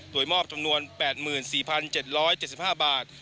โดยมอบจำนวน๘๔๗๗๕บาท